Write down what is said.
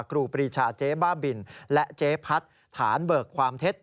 ครูปรีชาเจ๊บ้าบินและเจ๊พัดฐานเบิกความเท็จ